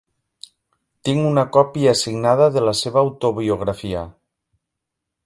Tinc una còpia signada de la seva autobiografia.